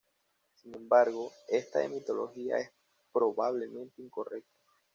Sin embargo, esta etimología es probablemente incorrecta.